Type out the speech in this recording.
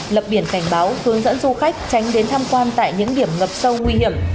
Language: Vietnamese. lập biển cảnh báo hướng dẫn du khách tránh đến tham quan tại những điểm ngập sâu nguy hiểm